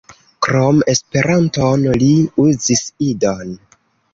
Krom Esperanton, li uzis Idon.